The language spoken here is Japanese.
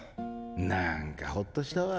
なーんかホッとしたわ。